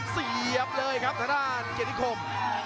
เสียบเลยครับทางด้านเกียรติคม